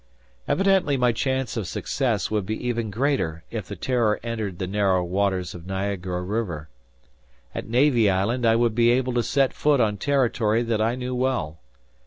Evidently my chance of success would be even greater, if the "Terror" entered the narrow waters of Niagara River. At Navy Island I would be able to set foot on territory that I knew well.